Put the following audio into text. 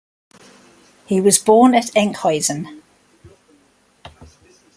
He was born at Enkhuizen.